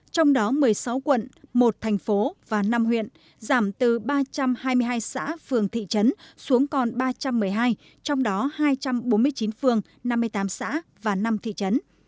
trong đó một mươi sáu quận một thành phố và năm huyện giảm từ ba trăm hai mươi hai xã phường thị trấn xuống còn ba trăm một mươi hai trong đó hai trăm bốn mươi chín phường năm mươi tám xã và năm thị trấn